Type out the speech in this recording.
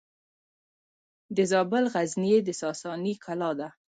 د زابل غزنیې د ساساني کلا ده